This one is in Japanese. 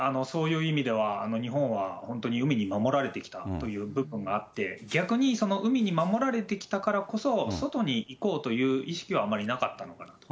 そういう意味では、日本は本当に海に守られてきたという部分があって、逆に海に守られてきたからこそ、外に行こうという意識はあまりなかったのかな。